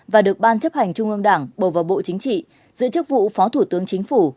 và được ban chấp hành trung ương đảng bầu vào bộ chính trị giữ chức vụ phó thủ tướng chính phủ